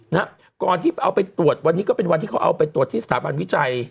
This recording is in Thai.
นะฮะก่อนที่เอาไปตรวจวันนี้ก็เป็นวันที่เขาเอาไปตรวจที่สถาบันวิจัย